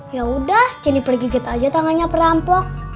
ya udah jennifer gigit aja tangannya perampok